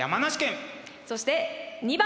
そして２番！